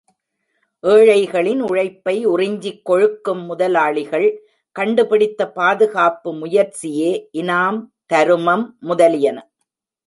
ஏழைகளின் உழைப்பை உறிஞ்சிக் கொழுக்கும் முதலாளிகள் கண்டுபிடித்த பாதுகாப்பு முயற்சியே இனாம் தருமம் முதலியன.